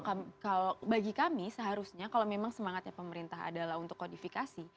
jadi kalau bagi kami seharusnya kalau memang semangatnya pemerintah adalah untuk kodifikasi